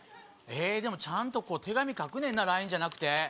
でもちゃんと手紙書くねんなＬＩＮＥじゃなくて。